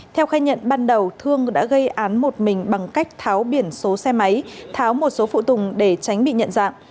theo khai nhận ban đầu thương đã gây án một mình bằng cách tháo biển số xe máy tháo một số phụ tùng để tránh bị nhận dạng